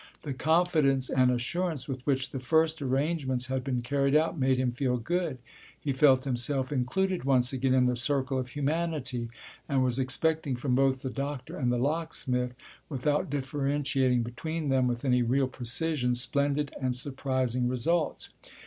The confidence and assurance with which the first arrangements had been carried out made him feel good. He felt himself included once again in the circle of humanity and was expecting from both the doctor and the locksmith, without differentiating between them with any real precision, splendid and surprising results.